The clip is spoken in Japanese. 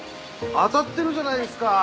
当たってるじゃないですか。